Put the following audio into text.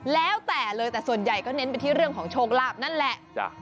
แล้วแต่เลยแต่ส่วนใหญ่ก็เน้นไปที่เรื่องของโชคลาภนั่นแหละ